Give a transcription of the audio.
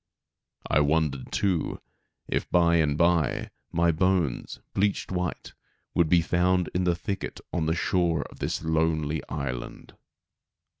I wondered too, if bye and bye my bones, bleached white, would be found in the thicket on the shore of this lonely island.